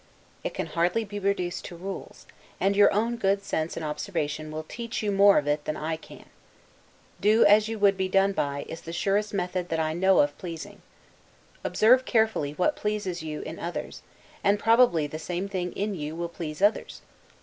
It can hardly be reduced to rules; and your own good sense and observation will teach you more of it than I can. Do as you would be done by, is the surest method that I know of pleasing. Observe carefully what pleases you in others, and probably the same thing in you will please others.